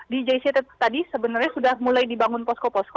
di jct tadi sebenarnya sudah mulai dibangun posko posko